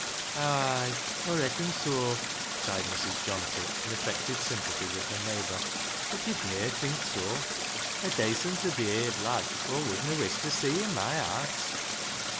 " Ay ! Aw reacon soa," sighed Mrs. Johnty in affected sympathy with her neighbour. " Bud yo'd ne'er think soa. A dacenter behaved lad Aw wouldna wish ta see i' my haase."